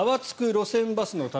路線バスの旅」。